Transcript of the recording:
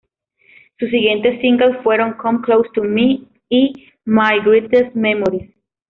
Sus siguientes singles fueron "Come Close to Me" y "My Greatest Memories".